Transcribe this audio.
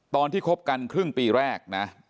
ตอนที่ครบกันครึ่งปีแรก